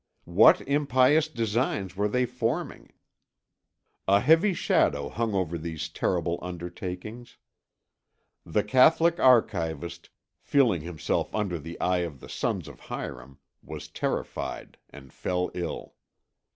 What impious designs were they forming? A heavy shadow hung over these terrible undertakings. The Catholic archivist feeling himself under the eye of the sons of Hiram was terrified and fell ill.